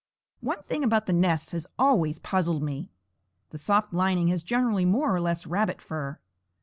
One thing about the nests has always puzzled me. The soft lining has generally more or less rabbit fur.